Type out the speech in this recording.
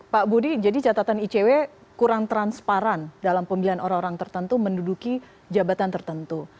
pak budi jadi catatan icw kurang transparan dalam pemilihan orang orang tertentu menduduki jabatan tertentu